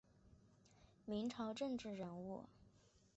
明朝政治人物。